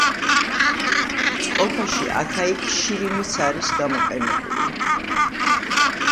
წყობაში აქა-იქ შირიმიც არის გამოყენებული.